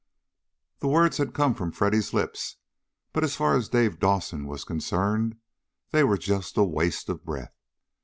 The words had come from Freddy's lips, but as far as Dave Dawson was concerned they were just a waste of breath.